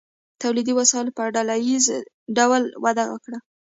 تولیدي وسایلو په ډله ایز ډول وده وکړه.